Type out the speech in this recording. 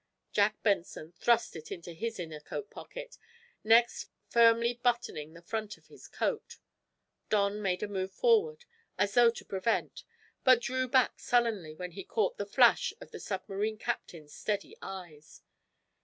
Jack Benson thrust it into his inner coat pocket, next firmly buttoning the front of his coat. Don made a move forward, as though to prevent, but drew back sullenly when he caught the flash of the submarine captain's steady eyes.